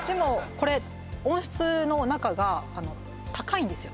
これ温室の中が高いんですよ